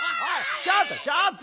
ちょっとちょっと！